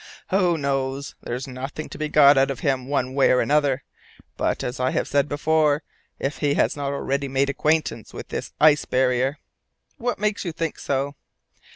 "Who knows? There's nothing to be got out of him one way or another. But, as I have said before, if he has not already made acquaintance with the ice barrier." "What makes you think so?"